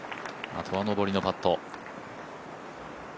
あとは上りのパット。